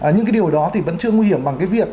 những cái điều đó thì vẫn chưa nguy hiểm bằng cái việc